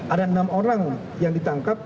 ada enam orang yang ditangkap